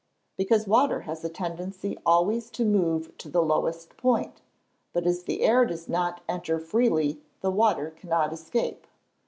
_ Because water has a tendency always to move to the lowest point, but as the air does not enter freely the water cannot escape.